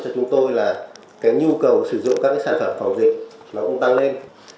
cho chúng tôi là cái nhu cầu sử dụng các cái sản phẩm phòng dịch nó cũng tăng lên